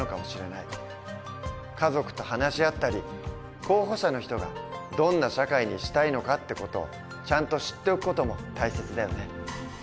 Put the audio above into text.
家族と話し合ったり候補者の人がどんな社会にしたいのかって事をちゃんと知っておく事も大切だよね。